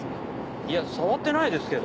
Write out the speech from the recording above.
いや触ってないですけど。